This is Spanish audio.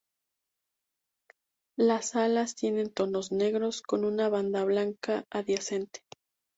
Las alas tienen tonos negros con una banda blanca adyacente.